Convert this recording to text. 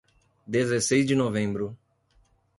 Dezesseis de Novembro